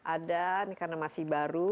ada karena masih baru